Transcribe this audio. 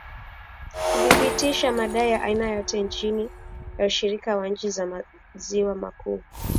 kuthibitisha madai ya aina yoyote chini ya ushirika wa nchi za maziwa makuu